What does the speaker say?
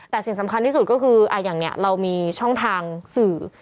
แต่สิ่งสำคัญที่สุดก็คืออย่างนี้เรามีช่องทางสื่อ